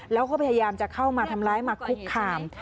แล้วก็พยายามจะเข้ามาทำร้ายมาคุกคาม